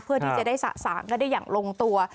เพื่อที่จะได้สะสางกันได้อย่างลงตัว